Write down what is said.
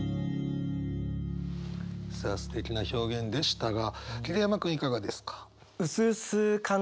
さあすてきな表現でしたが桐山君いかがですか？